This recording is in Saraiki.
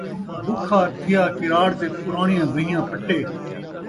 بُکھا تھیا کراڑ تے پراݨیاں وہیاں پٹے